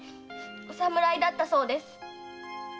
お侍だったそうです。